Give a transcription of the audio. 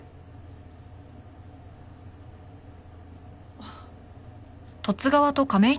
あっ。